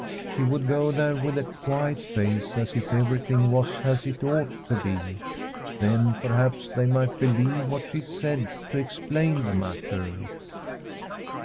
She would go there with a quiet face, as if everything was as it ought to be. Then, perhaps, they might believe what she said to explain the matter.